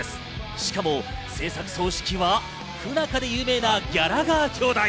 しかも製作総指揮は不仲で有名なギャラガー兄弟。